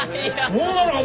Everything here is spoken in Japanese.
そうなのか！？